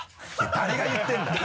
誰が言ってるんだよ！